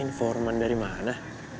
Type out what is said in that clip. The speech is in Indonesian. informan dari mana